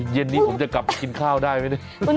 เย็นนี้ผมจะกลับกินข้าวได้ไหมเนี่ย